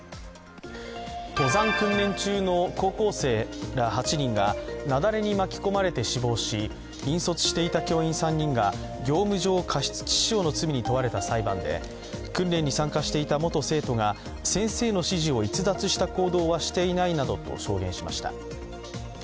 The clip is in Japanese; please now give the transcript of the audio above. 登山訓練中の高校生ら８人が雪崩に巻き込まれて死亡し引率していた教員３人が業務上過失致死傷の罪に問われた裁判で訓練に参加していた元生徒が先生の指示を逸脱した行動はしていないなどと証言しました。